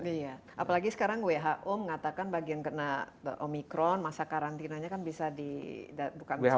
iya apalagi sekarang who mengatakan bagian kena omikron masa karantinanya kan bisa di bukan selama satu hari lagi